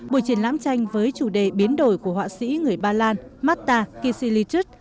buổi triển lãm tranh với chủ đề biến đổi của họa sĩ người ba lan mata kisilicuch